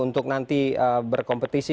untuk nanti berkompetisi